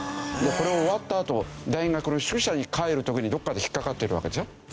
これ終わったあと大学の宿舎に帰る時にどこかで引っかかってるわけでしょ？